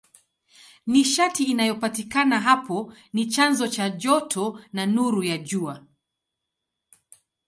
Nishati inayopatikana hapo ni chanzo cha joto na nuru ya Jua.